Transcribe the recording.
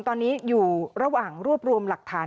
ตอนนี้อยู่ระหว่างรวบรวมหลักฐาน